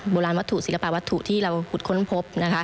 โบราณวัตถุศิลปะวัตถุที่เราขุดค้นพบนะคะ